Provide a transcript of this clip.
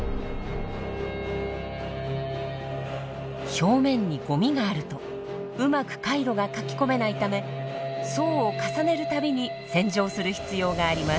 表面にゴミがあるとうまく回路が書き込めないため層を重ねる度に洗浄する必要があります。